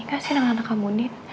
kasih anak anak kamu nid